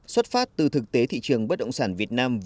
xuất phát từ thực tế thị trường bất động sản việt nam